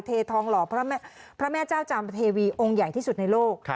เททองหล่อพระแม่เจ้าจามเทวีองค์ใหญ่ที่สุดในโลก